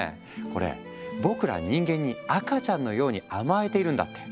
これ僕ら人間に赤ちゃんのように甘えているんだって。